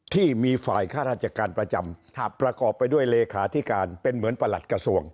ที่มีฝ่ายค่าราชการประจำประกอบไปด้วยเลขาธิการเป็นเหมือนประหลัดกระทรวง